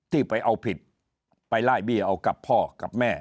ที่ไปเอาผิดไปไล่เบี้ยเอากับพ่อกับแม่